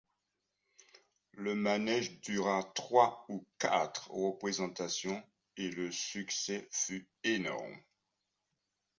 Le manège dura trois ou quatre représentations et le succès fut énorme.